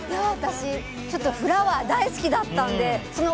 私、ちょっと「フラワー」大好きだったので。